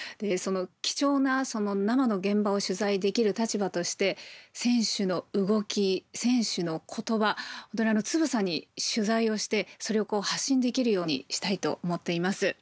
その貴重な、その生の現場を取材できる立場として選手の動き、選手のことば本当に、つぶさに取材をしてそれを発信できるようにしたいと思っています。